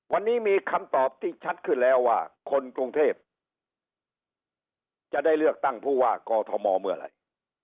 วันนี้มีคำตอบที่ชัดขึ้นแล้วว่าคนกรุงเทพจะได้เลือกตั้งผู้ว่ากอทมเมื่อไหร่